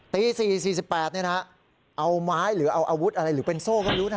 ตี๔๔๘เอาไม้หรือเอาอาวุธอะไรหรือเป็นโซ่ก็รู้นะ